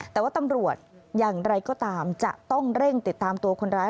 แต่ว่าตำรวจอย่างไรก็ตามจะต้องเร่งติดตามตัวคนร้าย